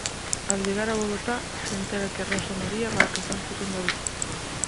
Al llegar a Bogotá, se entera que Rosa María va a casarse con David.